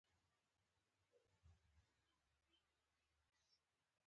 رئیس جمهور خپلو عسکرو ته امر وکړ؛ د څښاک اوبه خلکو ته ورسوئ!